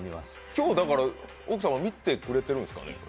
今日、奥様は見てくれてるんですか？